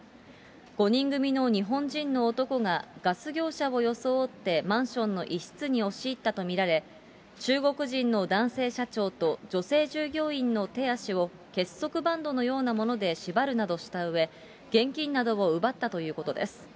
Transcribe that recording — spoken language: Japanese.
５人組の日本人の男が、ガス業者を装ってマンションの一室に押し入ったと見られ、中国人の男性社長と女性従業員の手足を結束バンドのようなもので縛るなどしたうえ、現金などを奪ったということです。